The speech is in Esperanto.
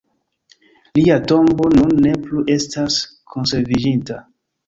Lia tombo nun ne plu estas konserviĝinta.